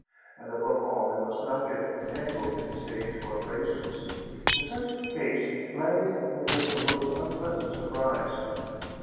And above all they must not get entangled in stays or braces. In such case landing will bring a most unpleasant surprise.